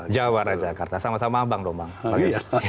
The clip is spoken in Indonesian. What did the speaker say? jawara jakarta sama sama abang dong bang